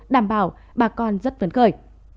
đảm bảo bà con rất vấn khởi